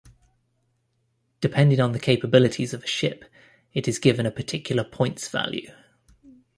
Depending on the capabilities of a ship it is given a particular points value.